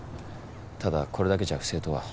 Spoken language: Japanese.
ただこれだけじゃ不正とは。